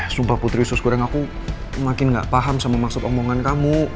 sumpah putri sus goreng aku makin gak paham sama maksud omongan kamu